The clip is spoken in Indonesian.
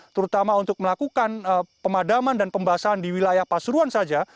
terutama untuk melakukan pemadaman dan pembasahan di wilayah pasuruan saja